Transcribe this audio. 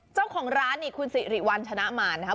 เจ้าของร้านนี่คุณสิริวัลชนะมารนะครับ